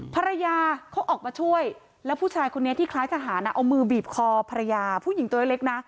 ภรรยาเขาออกมาช่วยแล้วผู้ชายคนนี้ที่คล้ายทหารเอามือบีบคอภรรยาผู้หญิงตัวเล็กนะ